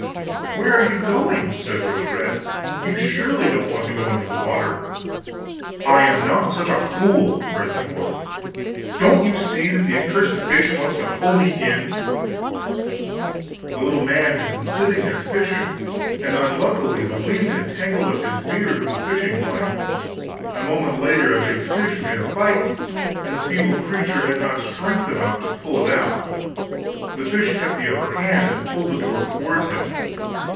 'Where are you going?' said Rose red; 'you surely don't want to go into the water?' 'I am not such a fool!' cried the dwarf; 'don't you see that the accursed fish wants to pull me in?' The little man had been sitting there fishing, and unluckily the wind had tangled up his beard with the fishing line; a moment later a big fish made a bite and the feeble creature had not strength to pull it out; the fish kept the upper hand and pulled the dwarf towards him.